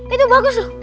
itu bagus loh